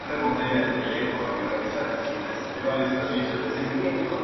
Este grupo toma el tren que les conduciría a Manzanares.